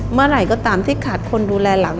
เมื่อไหร่ก็ตามที่ขาดคนดูแลหลัง